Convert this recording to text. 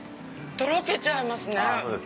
とろけちゃいますね。